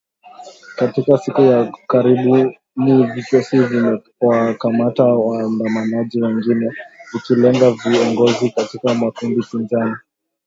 Katika siku za karibuni vikosi vimewakamata waandamanaji wengi , vikilenga viongozi katika makundi pinzani